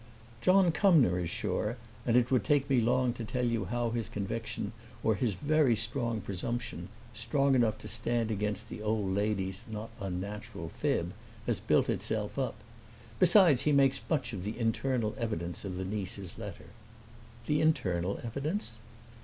"John Cumnor is sure, and it would take me long to tell you how his conviction, or his very strong presumption strong enough to stand against the old lady's not unnatural fib has built itself up. Besides, he makes much of the internal evidence of the niece's letter." "The internal evidence?"